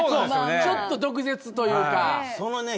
ちょっと毒舌というか。